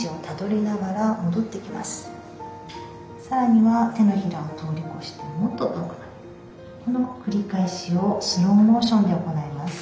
さらには手のひらを通り越してもっと遠くまでこの繰り返しをスローモーションで行います。